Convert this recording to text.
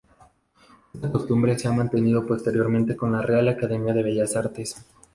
Esta costumbre se ha mantenido posteriormente con la Real Academia de Bellas Artes.